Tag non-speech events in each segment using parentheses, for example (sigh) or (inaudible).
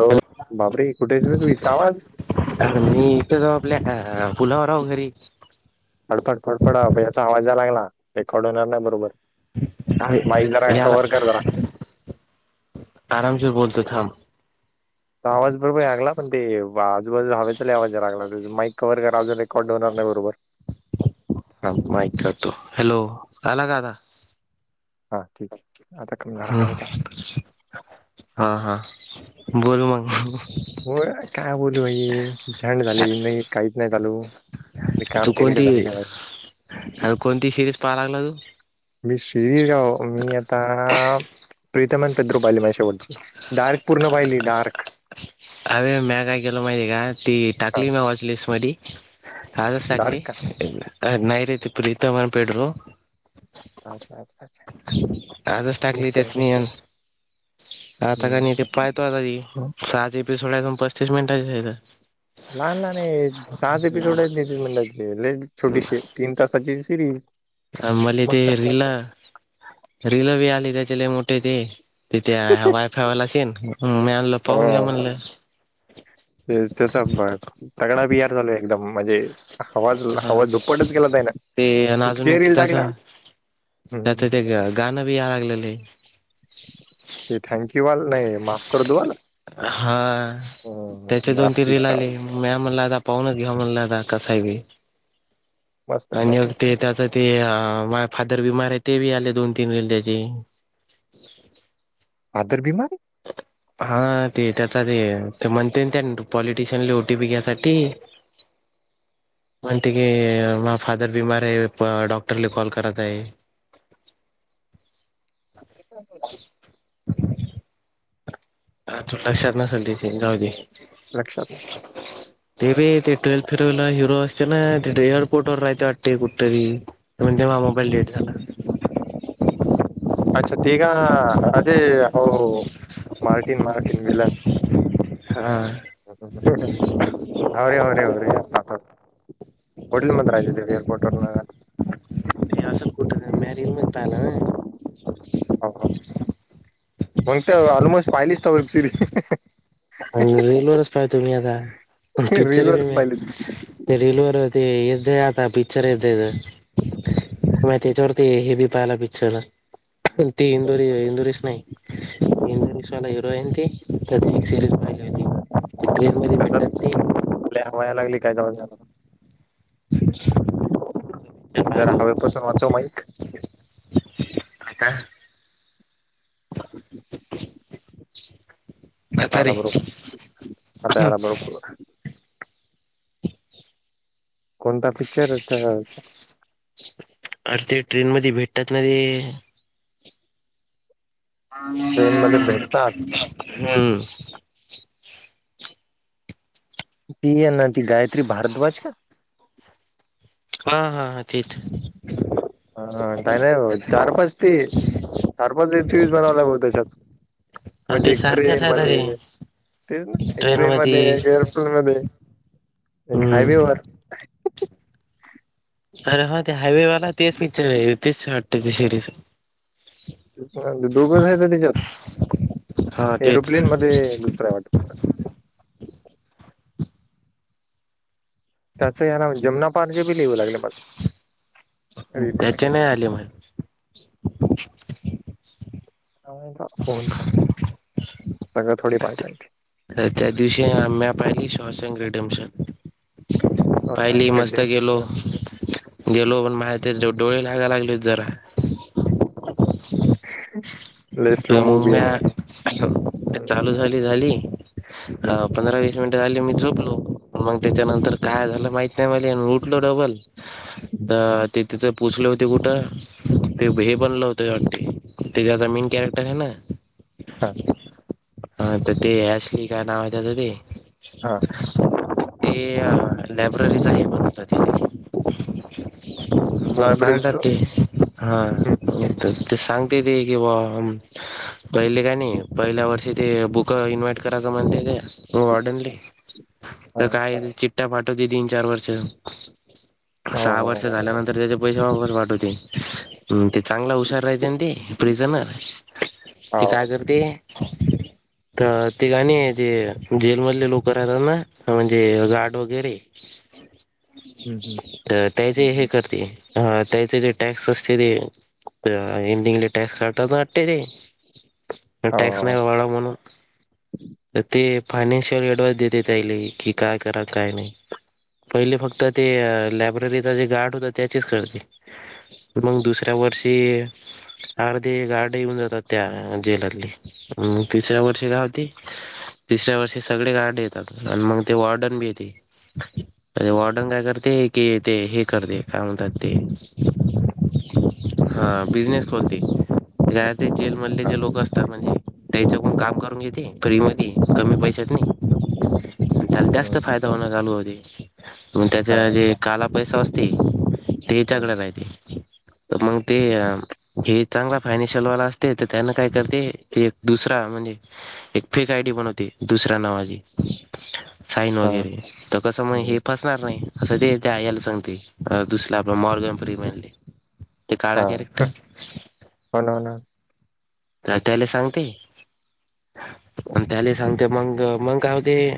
हो बापरे कुठे हेचरेतू इथं आवाज? अरे मी इथं जाऊ आपल्या पुलावर आहो घरी फड, फड, फडा याचा आवाज या लागला रेकॉर्ड होणार नाही बरोबर. माईक जरा याला कव्हर कर जरा आरामशीर बोलतो थांब. आवाज बरोबर लागला पण ते आजूबाजूला हवेचाही आवाज या लागला माईक कवरकरा अजून रेकॅड होणार नाही बरोबर. हा माइक करतो हॅलो आलाका आता? हा ठीक आहे. आता कमी झाला हवेचा हम्म हा हा बोल मग हो काय बोलू भाई झड झाले जिंदगी काहीच नाही चालू. तू काम टेकडे कोणती धंदे भाई अ कोणती सिरीज पाहा लागला तू? मी सीरीज का मी आता प्रीतम आणि पदर बाली पाहिली पाय शेवटची. डायरेक्ट पूर्ण पाहिली डार्क. अरे म्या काय केलं माहिती आहे का ती हा टाकली म वॉच लिस्ट मध्यी आजच डार्क टाकली का नाहीरेती प्रितम अ पेट्रो अच्छा, अच्छा, अच्छा. आजच टाकली मस्त आहे मस्त त्यातनि आहे. आता का हम्म नाही ते पाय पाच एपिसोड आहे पण सोबत पस्तीस मिनिटाचे आहेत. ना ना नाही सहाच एपिसोड आहेत म्हणल लयच छोटीशी आहे तीन तासाची सिरीज. आ मलेते मस्त आहे. रील रील बी आले त्याच्या मोठे ते. त्या वयफाय वाल्याच हे मी म्हणल पाहून घ्या म्हणलं. ते त्याचा तगडा बि, आर झालो एकदम म्हणजे. हवा हवाज दुप्पटच केला त्यांन ते आणि अजून इतके रिल टाकल्या. तेथ गा भी या लागलेले. ते थँक यू वाल नाही माफ कर दो वाला. हा ह नाशिक का. मॅ मला लहदा पाहु न की मला ल कसय मस्त आहे आणि मस्त मग आहे ते चांगलं त्याच ते मा फादर बी मार आहे ते बी आले दोन तीन वेल त्याचे. आदर बीमारी. हा ते त्याचा ते ते म्हणते त्या पॉलिटिशियन ओटी पी घ्यासाठी. (inaudible) म्हणते की मदर फादर बिमार आहे डॉक्टरला कॉल करत आहे. (inaudible) आ लक्षात नसेल तिथे गावी. लक्षात असत. ते ब ते ट्वेल्थ फेरला हिरो असते ना एअरपोर्ट वर राहायं वाटते कुठंतरी पण तेव्हा मोबाईल डेट झाला. अच्छा तीघ अजे अह मार्टीन मार्टीन बला. हा. ह ह ह हो रे हो र हो र आ होटेल मंद रा राज देेव एअर्पोर्टवरन तालं. (unintelligible) हो मग ते अऑलमोस्ट पाहिलीच त वेब सिरीज. रीलल वच पाह तु मी आता पिक्चर बी रीलवरच म पाहिली ती. ते रीलवरर हो येत आता पिक्चर य येत. म त्याच्यावरती हे बी पाहायला पिक्चर ना. ती इंदुरी कोणता इंदुरीस नाही इंदुरी वाला हिरो आहे ती प्रे सरीज. ते आपल्या वयाच्या लागली काय जीवन. जरा हवेपासून वाचव माईक. आ का. (unintelligible) आ आता आला तरी. बरोबर आता आला बरोबर कोणता पिक्चर आहे त्या. अर ते ट्रेन मध्ये भेटतात ना रे. मध्ये भेटतात हम्म. ती ना ती गायत्री भारद्वाज का. हा हा हा तेच. ह का नाही चार पाच ते चार पाच वेबसरीएस बनवला ब त्याशत म्हणजे ते एक सारख्याच ट्रेन आहेत अरे मध्ये तेच न एक ट्रेन मध्ये एअर. मध्ये हम्म हायवेवर. अरे हो ते हायवेवाला तेच पिक्चर तेच वाटत ते शिडीच. दोघच आहे तर हा त्याच्यात तेच एरोप्लेन मध्ये दुसरा वाटत. त्याच या ना जमना पारजे बी लिऊ लागले मला. रील त्याचे नाही आले म्हाल होन सगळं थोड पाहतात ते. त्या दिवशी मॅ पाहिली शोशँग रेडियमसम.. पाहिली शॉशँक मस्त गेलो रिडेम्पशन गेलो पण माय तेच डोळे लागायला लागले जरा. (unintelligible) मूवी आहे ना ्या चालू हम्म, झाली झाली. हा पंधरा वीस मिनिटं झाले मी झोपलो पण मग त्याच्या नंतर काय झालं माहित नाही मले आणि उठलो डबल (inaudible) तर ते तिथं पुोचले होते कुठं ते हे बनलं होते तेच्या आता मीन कॅरेक्टर हा ना, हा, हा तर ते, ऍशली काय नाव, (unintelligible) हा, ते लायब्ररीच आहे, बघत तथे, मग सांगतात लायब्ररीचं ते, हा हम्म, हम्म, हम्म, ते सांगते बी कि, पहिले काय नाही, पहिल्या वर्षी ते बुक इन्व्हाइट करायच, म्हणते ते. हो वॉर्डनले हा. तर, काय चिट्टा पाठवते तीन, चार वर्ष, हो सहा वर्ष हो झाल्यानंतर, त्याचे पैश वापस पाठवते, चांगला हुशार राहते न ते, फिझनर ते हो काय करते, (unintelligible) तर ते काणी जे, जेलमधले लोक राहतात ना, म्हणजे गार्ड वगैरे, (unintelligible) हम्, हम, त्याचे हे करते, त्याचे जे टॅक्स असते ते, एंडिंगले टॅक्स आठवतात, (unintelligible) हो टॅक्स हो. नाही वाढ म्हणून, तर ते फायनान्शियल ऍडवाइस देते त्याले, की काय करा काय नाही, पहिले फक्त ते, लायब्ररीचा जे गार्ड होता, त्याचीच करते. मग दुसऱ्या वर्षी, अर्धे गार्ड येऊन जातात त्या, जेलतली तिसऱ्या वर्षी का होती, तिसऱ्या वर्षी सगळे गार्ड येतात, आणि मग ते वॉर्डन बी येते, (unintelligible) ते वॉर्डन काय करते, कि ते हे करते काय म्हणतात ते, हा बिझनेस खोलते, ते जेल मधले हा, जे लोक असतात, म्हणजे त्याच्या कडून काम करून घेते, फ्री मध्ये, कमी पैशत नि तत्यात जास्त हम्म, फायदा चालू होती, म हा, त्याच्या जे काला पैसा असते, हम्म, तेच्याकडे राहते, तर मग ते हे चांगलं, फायनेशिलवाला असते, तर त्यांना काय करते एक दुसरा म्हणजे, एक फेक आयडी बनवते, दुसऱ्या नावाची, साईन हा, वगैरे, तर कस म्ह हे हम्म, फ, णार नाही असं ते त्या, यायला सांगते दुसर आपला मॉर्ग फ्री म्हनले, हा होन, हो ना, त्याला सांगते, त्याला सांगते मग, मंग काय होते,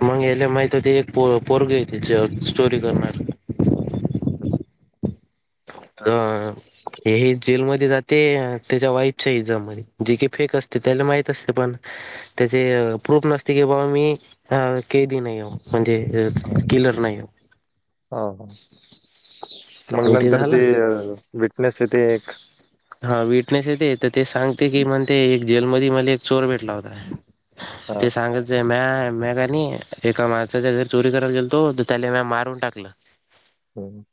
मग याला माहित होती, एक पो पोरग त स्टोरी करणार, (unintelligible) हा, हे हे जेलमध्ये जाते, त्याच्या वाईफच्या एलजाममध्ये, जे काही फेक असते, त्याला माहित असते पण त्याचे प्रुफ नसते, की बाबा मी, अ क दि नाही, म्हणजे, किलर नाही, ह, मग नंतर ते विटनेस येते एक, हा विटनेस येते, तर ते सांगते की म्हणते, एक जेलमध्ये मला एक चोर भेटला होता, हा ते सांग, म म का नाही, एका माणसाच्या घरी चोरी करायला गेलतो, तर त्याला म मारून टाकलं. हम्,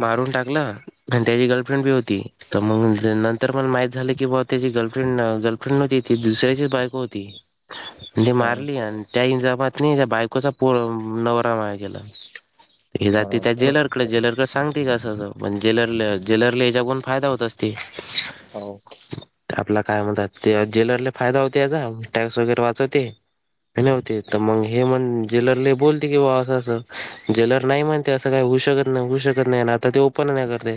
मारून टाकला, आणि त्याची गर्लफ्रेंड बी होती, तर मग नंतर मला माहीत झालं, की बा त्याची गर्लफ्रेंड ग (unintelligible) दुसऱ्याची बायको होती. (inaudible) म्हणे मारली आणि त्या इजामातने त्या बायकोचा पो नवरा माळ गेला हा, हे त्या जेलर कडे जेलर सांगते का पण ज्वेलर ज्वेलरली याच्या कोण फायदा होत असते हो आपला काय म्हणतात ते ज्वेलरला फायदा होत याचा टॅक्स वगैरे वाचवते नव्हते तर मग हे म्हण ज्वेलरला बोलते की बा असं असं ज्वेलर नाही म्हणते अस का होऊ शकत नाही होऊ शकत नाही आता ते ओपन नाही करते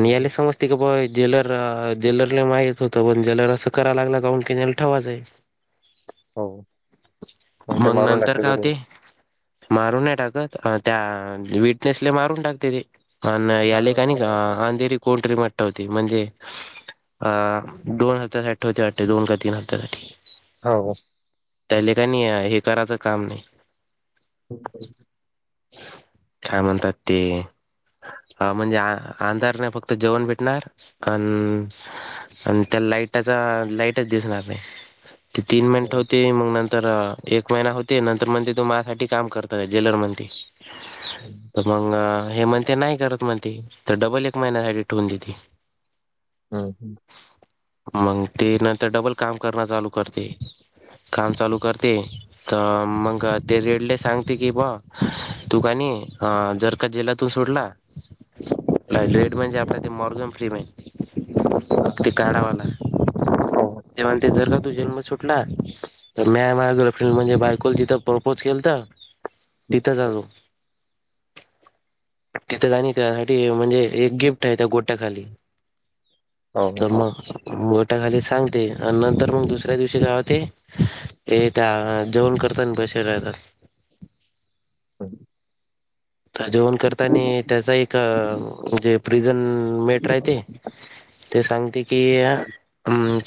हम्म, हम्म, समज ते बा ज्ेलर ज्ेलरला माहीत होत पण ज्ेलर असं कराय लागला का किनला ठेवायचं आहे हो मग ते मारून नंतर टाके काय झाले होते मारून नाही टाकत त्या विटनेसला मारून टाकते ते अ हा याले का नाही का विटनेस अंधेरी कोणतरी म्हटत होती म्हणजे अ दोन हप्त्या साठेते अठठे दोन का तीन हप्त्यासाठी हो त्या ठिकाणी हे करायचं काम नाही हो काय म्हणतात ते हा म्हणजे अंधार नाही फक्त जेवण भेटणार अ आणि त्या लाईटाचा लाईटच दिसणार नाही ते तीन मिनट होते मग नंतर तर एक महिना होते नंतर म्हण ते तो माझसाठी काम करत ज्वेलर म्हणते हम्म तर मग हे म्हणते नाही करत म्हणते तर डबल एक महिन्यात ऍडि ठे होवून देते हा हम मग ते नंतर डबल काम करणं चालू करते काम चालू करते तर मग ते रेटले सांगते की ब तू काणी हा जर का जेलातून सोडला लेट म्हणजे आपल्या ते मर्गम फ्री म्हहि ते काढावाला तेव्हा ते जर का तू जन्म सुटला तर मी माझ्या गर्लफ्रेंड म्हणजे बायकल जिथं प्रपोज केल तर तिथं लो तिथं गणी त्यासाठी म्हणजे एक गिफ्ट आहे त्या गोट्याखाली तर मग मोठा खाली सांगते आणि नंतर मग दुसऱ्या दिवशी गाव ते ते त्या जेवण करताना बसे राहतात ह तर जेवण करता आणि त्याचा एक म्हणजे प्रिझन मेट राहते ते सांगते की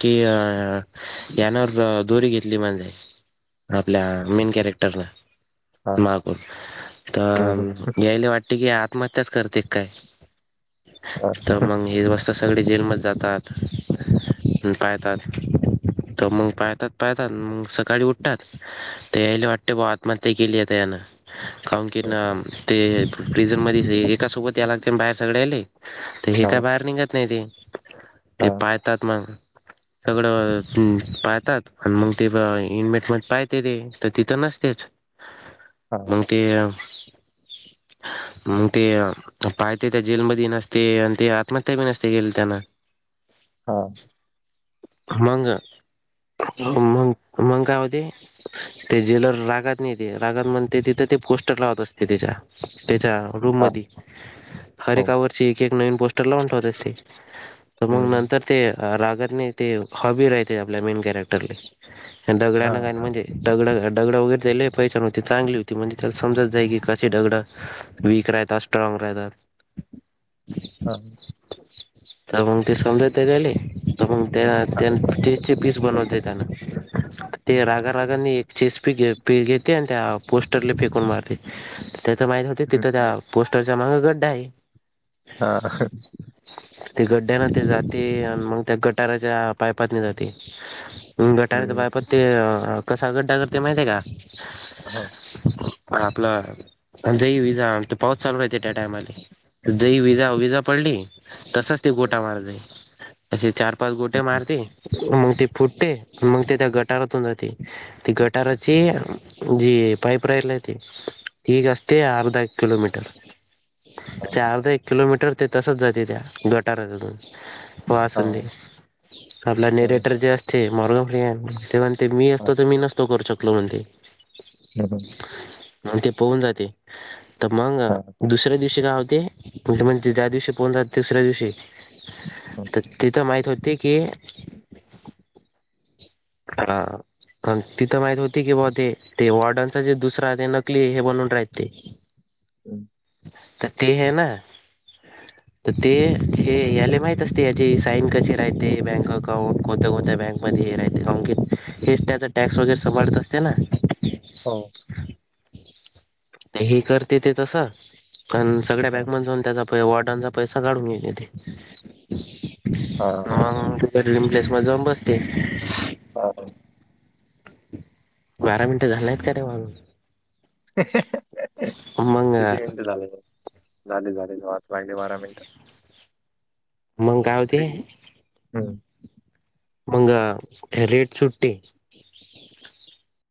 कि अ यानावर दोरी घेतली म्हणजे आपल्या मेन कॅरेक्टर न मागून तर या्यायला वाटते की आत्महत्याच करते काय तर मग ही वस्थ सगळे जेल मध जातात पाळतात तर मग पाळतात पाळतात मग सकाळी उठतात तेले वाट्टे ब आत्महत्या केलीि ते ना का कि ना एकाोत या बार सग निघत नाही ते ते पाहतात मग सगळं पाहतात आणि मग ते इनमेट मध्ये पाहते ते तर तिथं नसतेच (inaudible) म ते मग ते पाहते त्या जेलमध्येध्ये नसते आणि ते आत्महत्या नसते गेल त्यांना हा मंग म मग काय होते ते ज्वेलर रागात नाही ते रागात म्हणते तिथं ते पोस्टर लावत असते ते त्याच्या त्याच्या रूम मधी हर एक हावर एक एक नवीन पोस्टर लाऊन ठेवतात ती तर मग नंतर ते रागत नाही ते हॉबी राहते आपल्या मेन कॅरेक्टरला दगड्याने का म्हणजे डा दगड वगैरे्यायला पैसा न होती चांगली होती म्हणजे त्याला समजा जाय कशी दगड वीक राहतात स्ट्रॉंग राहतात. हा तर म ते समजा ते राहिले त मग त्या त्यांन चे पीस बनवता येतना ते रागा रागानी एक चेस पी पी घेते आणि त्या पोस्टरला फेकून मारते. त्याच माहती होती तिथं त्या पोस्टरचा माग गड्डा आहे. हा ते गड्ड्याना ते जाते आणि मग त्या गटाराच्या पायपात नाही जाते. मग गटार बाय प ते कसा गड्डा करते माहितय का? हा. आपलं जाई विजा पाऊस चालू आहेेत त्या टायमाले. जही विजा विजा पडली तसच ते गोटा मार जाई असे चार पाच गोटे मारते मग ती फुटते मग ते त्या गटारातून जाते. ती गटाराची जी पाईप राहिल ती ती एक असते अर्धा एक किलोमीटर ते अर्धा एक किलोमीटर ते तसच जाते त्या गटारावरून हो असधी आपला नरेटर जे असते मरग फि ते म्हण ते मी असतो तर मी नसतो करू शकलो म्हणते हम हम मग ते पोहून जाते तर मग दुसऱ्या दिवशी काय होते पण ते म्हण ते त्या दिवशी पोहण जात तिसऱ्या दिवशी तर तीत माहित होते की (unintelligible) अ तिथं माहित होती की बाबा ते वॉर्डनचा जे दुसरा ते नकली हे बनून राहत ते (inaudible) तर ते है ना? (inaudible) तर ते हे याला माहित असते याची साईन कशी राहते बँक अकाउंट कोनत्या कोणत्या बँकमध्येध हे राह हेच त्याचा टॅक्स वगैरे सभाळत असते ना? हो. हे करते ते तस कारण सगळ्या बँक मधे जाऊन त्याचा वाॉटांचा पैसा काढून घेते ते. प्लेस मध्ये जाऊन बसते. हा ह बारा मिनटं झालेयत का रे वागून? मग किती मिनट झाले झाले झाले वाच लागले बारा मिनिटं मंग काय होते थ्री मंग रेट सुट्टी